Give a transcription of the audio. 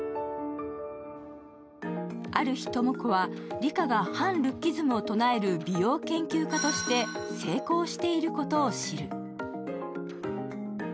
ある日、知子は梨花が反ルッキズムを唱える美容研究家として成功していることを知る。